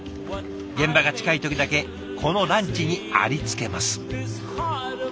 現場が近い時だけこのランチにありつけます。